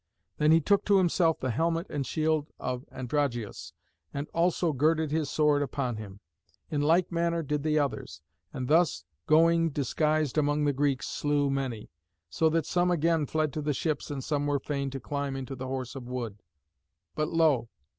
Then he took to himself the helmet and shield of Androgeos, and also girded his sword upon him. In like manner did the others, and thus going disguised among the Greeks slew many, so that some again fled to the ships and some were fain to climb into the Horse of wood. But lo!